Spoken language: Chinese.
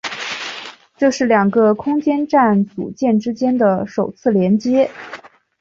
这是两个空间站组件之间的首次连接。